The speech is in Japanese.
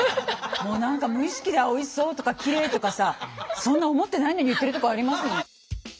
もう何か無意識で「あっおいしそう」とか「きれい」とかさそんな思ってないのに言ってるとこあります。